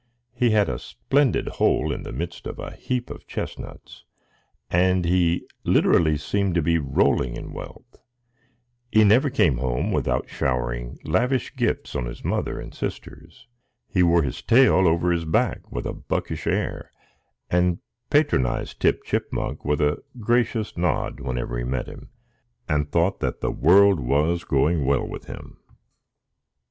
He had a splendid hole in the midst of a heap of chestnuts, and he literally seemed to be rolling in wealth; he never came home without showering lavish gifts on his mother and sisters; he wore his tail over his back with a buckish air, and patronized Tip Chipmunk with a gracious nod whenever he met him, and thought that the world was going well with him.